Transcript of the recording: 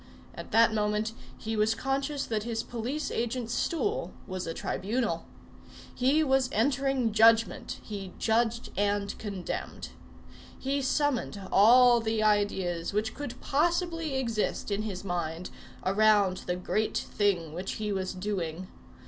At that moment he was conscious that his police agent's stool was a tribunal. He was entering judgment. He judged and condemned. He summoned all the ideas which could possibly exist in his mind, around the great thing which he was doing.